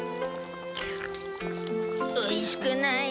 おいしくない。